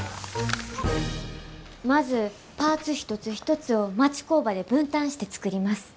まずパーツ一つ一つを町工場で分担して作ります。